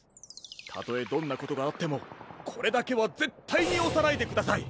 たとえどんなことがあってもこれだけはぜったいにおさないでください。